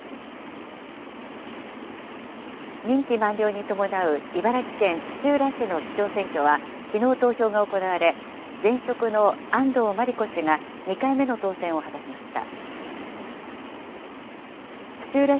任期満了に伴う茨城県土浦市の市長選挙はきのう投票が行われ、現職の安藤真理子氏が２回目の当選を果たしました。